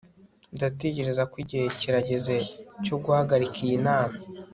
ndatekereza ko igihe kirageze cyo guhagarika iyi nama